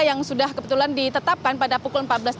yang sudah kebetulan ditetapkan pada pukul empat belas tiga puluh